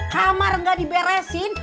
kamar gak diberesin